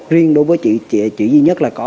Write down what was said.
riêng đối với chị duy nhất là có